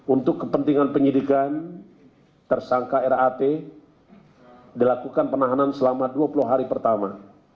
untuk kepentingan penyidikan tersangka rat dilakukan penahanan selama dua puluh hari pertama